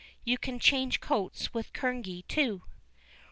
You can change coats with Kerneguy too."